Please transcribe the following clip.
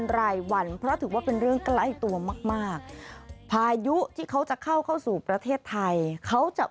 รายวันเพราะถือว่าเป็นเรื่องใกล้ตัวมากมากพายุที่เขาจะเข้าเข้าสู่ประเทศไทยเขาจะ